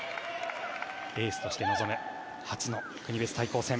エースとして臨む初の国別対抗戦。